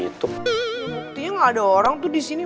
ya buktinya gak ada orang tuh disini